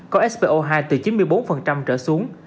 có spo hai từ chín mươi bốn trở xuống